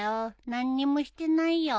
何にもしてないよ。